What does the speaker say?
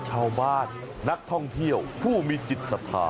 ชาวบ้านนักท่องเที่ยวผู้มีจิตศรัทธา